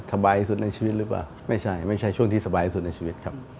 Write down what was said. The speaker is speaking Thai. สบายสุดในชีวิตหรือเปล่าไม่ใช่ไม่ใช่ช่วงที่สบายที่สุดในชีวิตครับ